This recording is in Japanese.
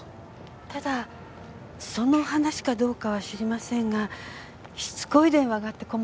ただその話かどうかは知りませんがしつこい電話があって困ってました。